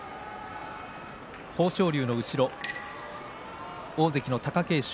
豊昇龍の後ろ、大関の貴景勝。